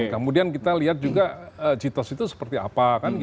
kemudian kita lihat juga citos itu seperti apa